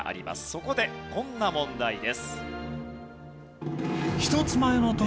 そこでこんな問題です。